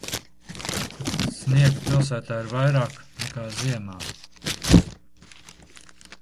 Kad sniega pilsētā ir vairāk nekā ziemā.